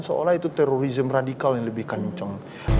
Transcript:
seolah itu terorisme radikal yang lebih kencang